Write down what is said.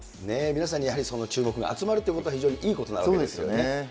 皆さんにやはり注目が集まるということは非常にいいことなわけですよね。